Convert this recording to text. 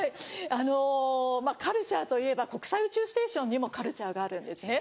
あのカルチャーといえば国際宇宙ステーションにもカルチャーがあるんですね。